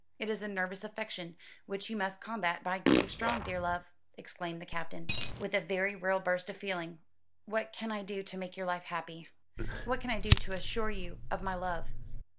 It is a nervous affection, which you must combat by getting strong. Dear love!" exclaimed the Captain, with a very real burst of feeling, "what can I do to make your life happy? what can I do to assure you of my love?"